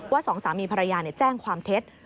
สองสามีภรรยาแจ้งความเท็จ